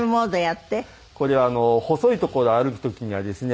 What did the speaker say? これ細い所歩く時にはですね